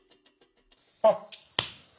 あっ。